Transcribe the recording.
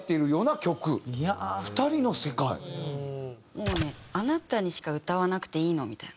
もうねあなたにしか歌わなくていいのみたいな。